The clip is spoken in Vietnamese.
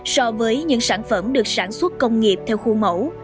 so với những sản phẩm được sản xuất công nghiệp theo khu mẫu